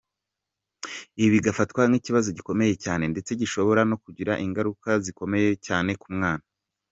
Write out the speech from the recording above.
Ibi bigafatwa nk’ikibazo gikomeye ndetse gishobora no kugira ingaruka zikomeye cyane ku mwana.